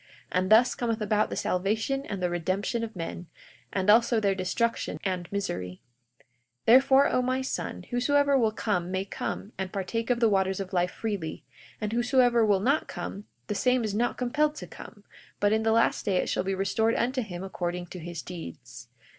And thus cometh about the salvation and the redemption of men, and also their destruction and misery. 42:27 Therefore, O my son, whosoever will come may come and partake of the waters of life freely; and whosoever will not come the same is not compelled to come; but in the last day it shall be restored unto him according to his deeds.